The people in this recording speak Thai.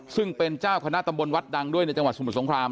ซึ่งเป็นเจ้าคณะตำบลวัดดังด้วยในจังหวัดสมุทรสงคราม